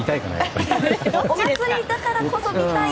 お祭りだからこそ見たい。